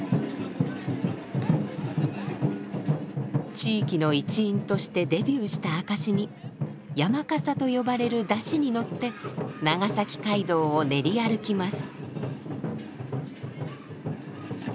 地域の一員としてデビューした証しに山笠と呼ばれる山車に乗って長崎街道を練り歩きます。